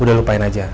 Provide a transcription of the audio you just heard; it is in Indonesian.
udah lupain aja